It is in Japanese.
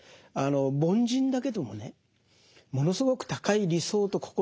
凡人だけどもねものすごく高い理想と志を持ってた。